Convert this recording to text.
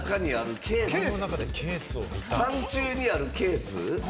山中にあるケース？